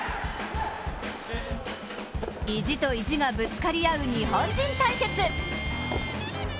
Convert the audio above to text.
意地と意地がぶつかり合う日本人対決。